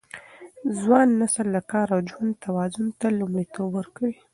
ځوان نسل د کار او ژوند توازن ته لومړیتوب ورکوي.